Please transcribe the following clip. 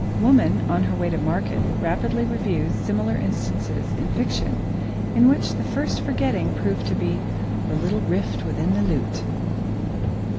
Woman, on her way to market, rapidly reviews similar instances in fiction, in which this first forgetting proved to be "the little rift within the lute."